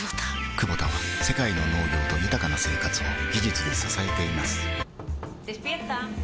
クボタは世界の農業と豊かな生活を技術で支えています起きて。